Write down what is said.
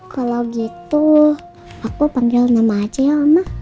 kalau gitu aku panggil nama aja ya oma